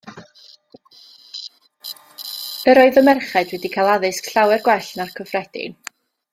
Yr oedd y merched wedi cael addysg llawer gwell na'r cyffredin.